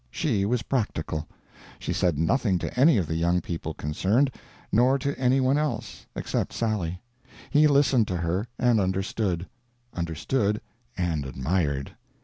She was practical. She said nothing to any of the young people concerned, nor to any one else except Sally. He listened to her and understood; understood and admired.